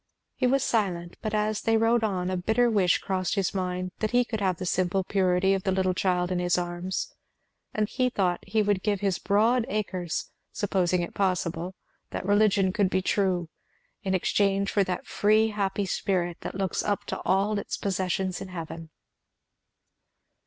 He was silent; but as they rode on, a bitter wish crossed his mind that he could have the simple purity of the little child in his arms; and he thought he would give his broad acres supposing it possible that religion could be true, in exchange for that free happy spirit that looks up to all its possessions in heaven.